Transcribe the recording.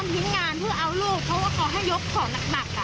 เพราะว่าก่อนให้ยกของหนักน่ะ